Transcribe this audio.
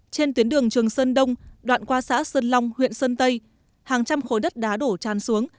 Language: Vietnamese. trên tuyến đường trường sơn đông đoạn qua xã sơn long huyện sơn tây hàng trăm khối đất đá đổ tràn xuống